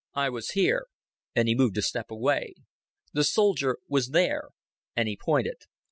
I was here" and he moved a step away. "The soldier was there;" and he pointed.